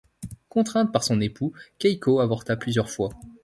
Contrainte par son époux, Keiko avorta plusieurs fois.